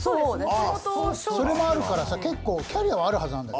それもあるからさ結構キャリアはあるはずなんだよ。